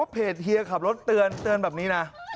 เฮียขับรถเตือนแบบนี้นะ